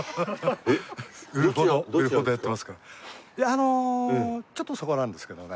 あのちょっとそこなんですけどね。